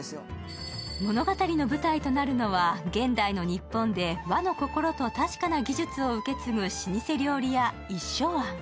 物語の舞台となるのは現代の日本で和の心と確かな技術を受け継ぐ老舗料理屋、一升庵。